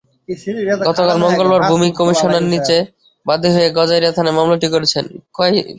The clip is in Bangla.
গতকাল মঙ্গলবার ভূমি কমিশনার নিজে বাদী হয়ে গজারিয়া থানায় মামলাটি করেছেন।